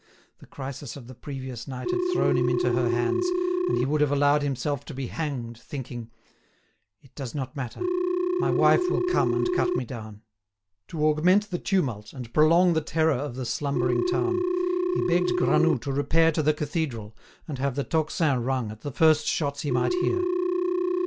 The crisis of the previous night had thrown him into her hands, and he would have allowed himself to be hanged, thinking: "It does not matter, my wife will come and cut me down." To augment the tumult, and prolong the terror of the slumbering town, he begged Granoux to repair to the cathedral and have the tocsin rung at the first shots he might hear.